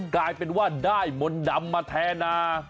กลายเป็นว่าได้มนต์ดำมาแทนา